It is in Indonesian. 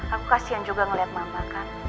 aku kasian juga ngeliat mama kan